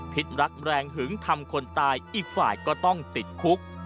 รักแรงหึงทำคนตายอีกฝ่ายก็ต้องติดคุก